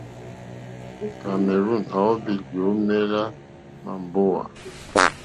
Cameroon à óhwì lyǒmélá màmbówà.